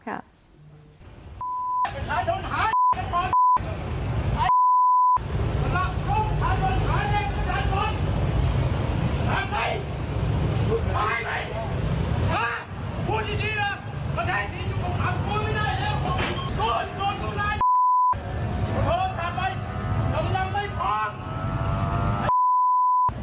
มึงปลายไหมห้าพูดดีล่ะมันใช้พีชของขังพูดไม่ได้แล้วโคตรโคตรโคตรลาย